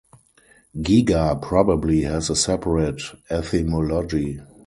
"Giga" probably has a separate etymology.